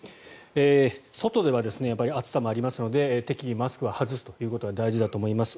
外では暑さもありますので適宜マスクは外すことは大事だと思います。